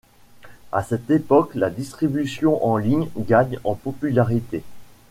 À cette époque, la distribution en ligne gagne en popularité.